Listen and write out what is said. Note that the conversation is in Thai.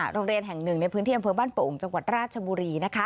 โรงเรียนแห่งหนึ่งในพื้นเที่ยงบ้านเป๋าอุ่มจังหวัดราชบุรี